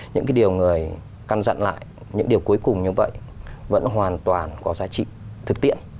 những cái điều người căn dặn lại những điều cuối cùng như vậy vẫn hoàn toàn có giá trị thực tiện